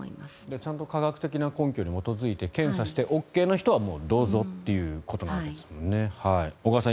ちゃんと科学的な根拠に基づいて検査してＯＫな人はどうぞということですね。